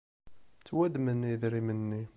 Ttwaddmen yidrimen-nni.